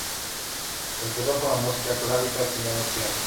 Empezó con la música clásica estudiando piano.